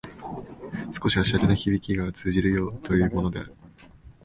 少しは洒落のひびきが通じようというものである